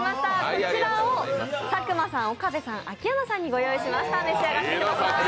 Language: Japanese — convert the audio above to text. こちらを佐久間さん、岡部さん秋山さんにご用意しました。